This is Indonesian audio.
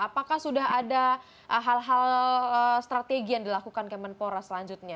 apakah sudah ada hal hal strategi yang dilakukan kemenpora selanjutnya